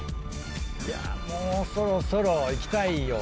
いやもうそろそろ行きたいよ。